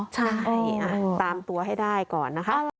ใช่ตามตัวให้ได้ก่อนนะคะ